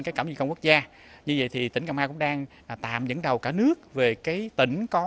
các cẩm vi công quốc gia như vậy thì tỉnh cà mau cũng đang tạm dẫn đầu cả nước về cái tỉnh có